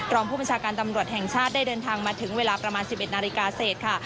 รองผู้บัญชาการตำรวจแห่งชาติได้เดินทางมาถึงเวลาประมาณ๑๑นาฬิกาเศษค่ะ